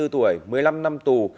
hai mươi bốn tuổi một mươi năm năm tù